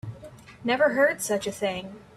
Never heard of such a thing.